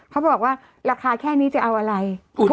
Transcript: เขาบอกว่าราคาแค่นี้จะเอาอะไร